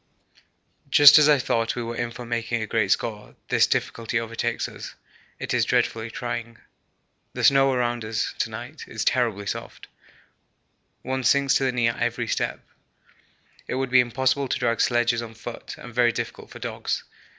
Just as I thought we were in for making a great score, this difficulty overtakes us it is dreadfully trying. The snow around us to night is terribly soft, one sinks to the knee at every step; it would be impossible to drag sledges on foot and very difficult for dogs.